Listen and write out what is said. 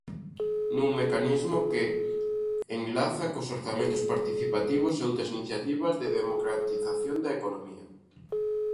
Nun mecanismo que enlaza cos orzamentos participativos e outras iniciativas de democratización da economía.